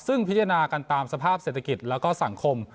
ซึ่งพิจารณากันตามสภาพเศรษฐกิจแล้วก็สังคม